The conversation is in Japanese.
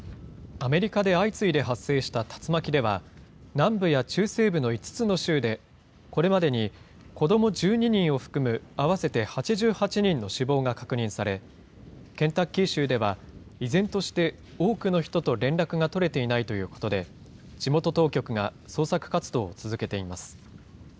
アメリカで相次いで発生した竜巻では、南部や中西部の５つの州で、これまでに子ども１２人を含む合わせて８８人の死亡が確認され、ケンタッキー州では、依然として多くの人と連絡が取れていないということで、地元当局が捜索活動を続けています。